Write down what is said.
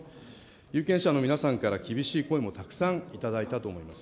有権者の皆さんから厳しい声もたくさん頂いたと思います。